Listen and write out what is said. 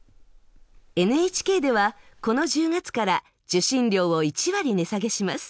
ＮＨＫでは、この１０月から受信料を１割値下げします。